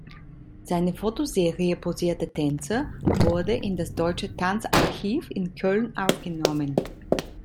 Seine Fotoserie „Posierte Tänze“ wurde in das Deutsche Tanzarchiv in Köln aufgenommen.